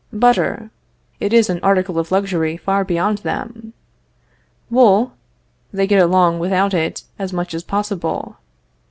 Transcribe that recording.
Butter? It is an article of luxury far beyond them. Wool? They get along without it as much as possible.